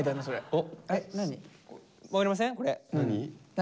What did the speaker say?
何？